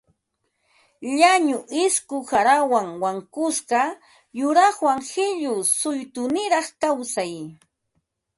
Llañu isku qarawan wankusqa yuraqwan qillu suytuniraq kawsay